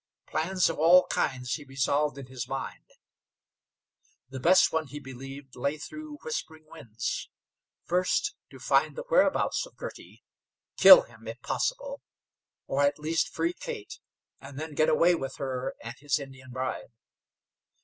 Plans of all kinds he resolved in his mind. The best one he believed lay through Whispering Winds. First to find the whereabouts of Girty; kill him if possible, or at least free Kate, and then get away with her and his Indian bride.